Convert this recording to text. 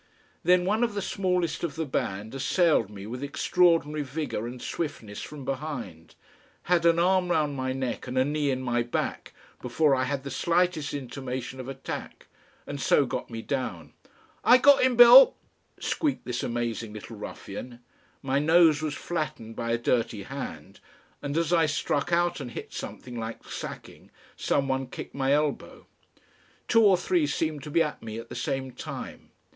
Then one of the smallest of the band assailed me with extraordinary vigour and swiftness from behind, had an arm round my neck and a knee in my back before I had the slightest intimation of attack, and so got me down. "I got 'im, Bill," squeaked this amazing little ruffian. My nose was flattened by a dirty hand, and as I struck out and hit something like sacking, some one kicked my elbow. Two or three seemed to be at me at the same time.